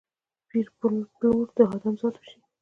پېر پلور د ادم ذات وشي